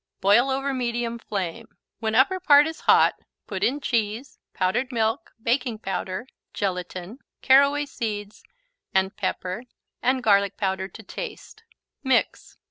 Boil over medium flame. When upper part is hot, put in cheese, powdered milk, baking powder, gelatin, caraway seeds and pepper and garlic powder to taste. Mix.